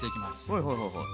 はいはいはいはい。